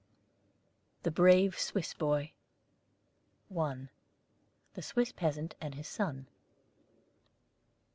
] THE BRAVE SWISS BOY. _I. THE SWISS PEASANT AND HIS SON.